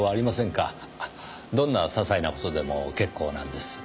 どんな些細な事でも結構なんです。